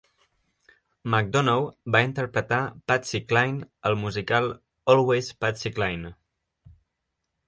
McDonough va interpretar Patsy Cline al musical "Always... Patsy Cline".